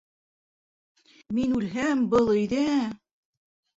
Мин үлһәм, был өйҙә...